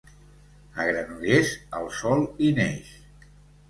A Granollers, el sol hi neix.